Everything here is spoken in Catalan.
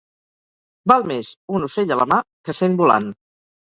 Val més un ocell a la mà que cent volant.